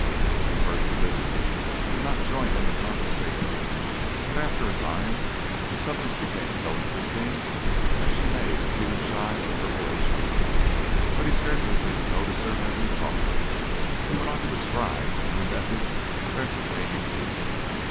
At first Elizabeth did not join in the conversation, but after a time the subject became so interesting that she made a few shy interpolations. But he scarcely seemed to notice her as he talked. He went on to describe a new method of entertaining people.